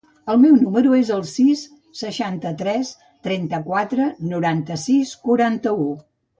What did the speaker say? El meu número es el sis, seixanta-tres, trenta-quatre, noranta-sis, quaranta-u.